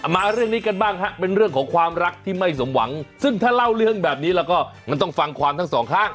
มาเรื่องนี้กันบ้างฮะเป็นเรื่องของความรักที่ไม่สมหวังซึ่งถ้าเล่าเรื่องแบบนี้แล้วก็มันต้องฟังความทั้งสองข้าง